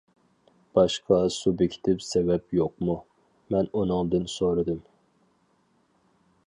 -باشقا سۇبيېكتىپ سەۋەب يوقمۇ؟ -مەن ئۇنىڭدىن سورىدىم.